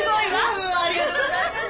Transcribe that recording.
ありがとうございます。